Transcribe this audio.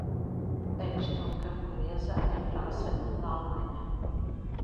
A Questão Camponesa em França e na Alemanha